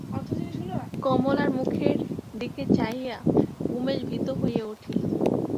কমলার মুখের দিকে চাহিয়া উমেশ ভীত হইয়া উঠিল।